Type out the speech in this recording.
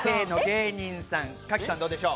賀喜さんどうでしょう？